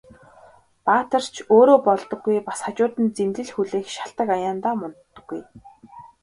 Баатар ч өөрөө болдоггүй, бас хажууд нь зэмлэл хүлээх шалтаг аяндаа мундахгүй.